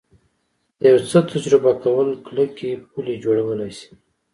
د یو څه تجربه کول کلکې پولې جوړولی شي